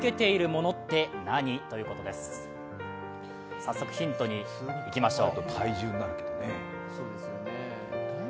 早速、ヒントにいきましょう。